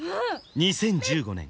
２０１５年